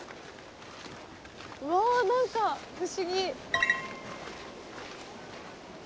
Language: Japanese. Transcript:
うわぁなんか不思議！